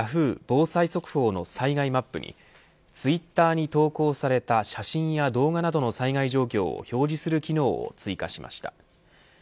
Ｙａｈｏｏ！防災速報の災害マップにツイッターに投稿された写真や動画などの災害状況を表示する機能を追加しました。